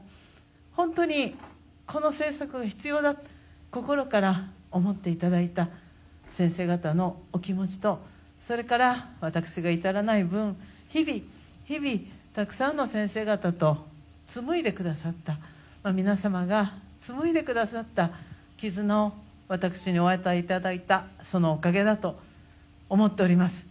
本当に、この政策が必要だと心から思っていただいた先生方のお気持ちと私が至らない分、日々、日々、たくさんの先生方と紡いでくださった、皆様が紡いでくださった絆を私にお与えいただいたそのおかげだと思っております。